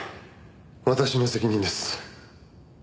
私の責任です。